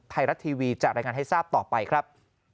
ไทยรัฐทีวีจะรายงานให้ทราบต่อไปครับ